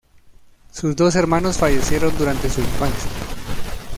Sus dos hermanos fallecieron durante su infancia.